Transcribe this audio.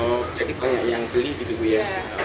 oh jadi banyak yang beli gitu bu ya